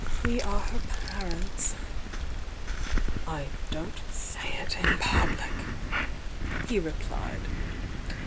We are her parents!" I don't say it in public," he replied.